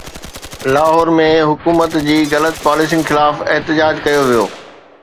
لاهور ۾ حڪومت جي غلط پاليسين خلاف احتجاج ڪيو ويو